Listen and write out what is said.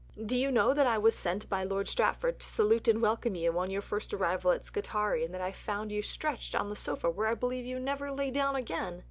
Do you know that I was sent by Lord Stratford to salute and welcome you on your first arrival at Scutari and that I found you stretched on the sofa where I believe you never lay down again?